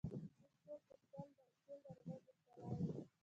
موږ ټول په سِل ناروغۍ مبتلا وو.